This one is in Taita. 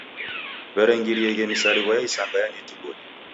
W'erengirieghe misarigho ya isanga ya netiboli.